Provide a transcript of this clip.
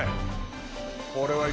はい。